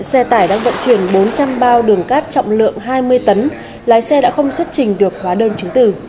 xe tải đang vận chuyển bốn trăm linh bao đường cát trọng lượng hai mươi tấn lái xe đã không xuất trình được hóa đơn chứng tử